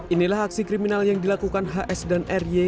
inilah aksi kriminal yang dilakukan hs dan ry